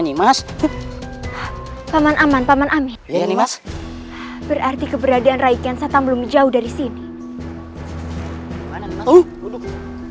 nimas paman aman paman amin berarti keberadaan rakyat satam belum jauh dari sini tuh duduk